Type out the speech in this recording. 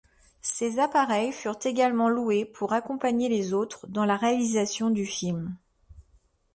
Ces appareils furent également loués pour accompagner les autres dans la réalisation du film.